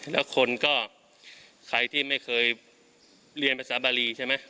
แล้วคนก็ใครที่ไม่เคยเรียนภาษาบารีใช่ไหม